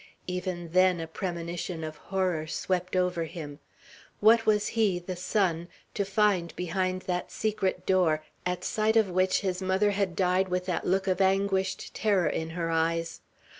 Even then a premonition of horror swept over him. What was he, the son, to find behind that secret door, at sight of which his mother had died with that look of anguished terror in her eyes?